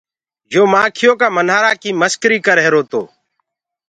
يو مآکيو ڪآ ڇتآ ڪي مسڪري ڪر رهيرو تو۔